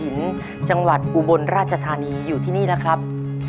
จังหวัดอุบลราชธานีอยู่ที่นี่นะครับ